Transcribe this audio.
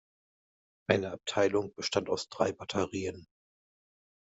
Eine Abteilung bestand aus drei Batterien.